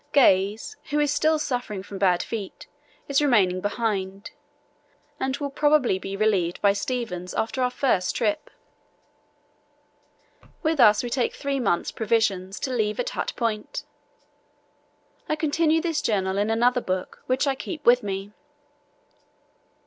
Gaze, who is still suffering from bad feet, is remaining behind and will probably be relieved by Stevens after our first trip. With us we take three months' provisions to leave at Hut Point. I continue this journal in another book, which I keep with me."